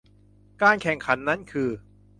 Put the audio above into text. การแข่งขันนั้นคือ